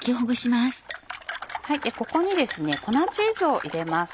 ここに粉チーズを入れます。